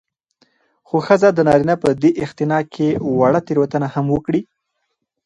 خو ښځه د نارينه په دې اختناق کې که وړه تېروتنه هم وکړي